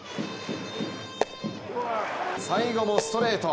最後もストレート。